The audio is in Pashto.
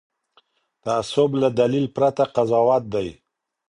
تعصب له دلیل پرته قضاوت دی